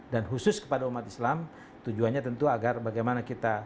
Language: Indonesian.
dan khusus kepada umat islam tujuannya tentu agar bagaimana kita